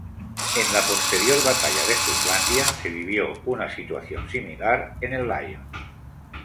En la posterior Batalla de Jutlandia, se vivió una situación similar en el "Lion".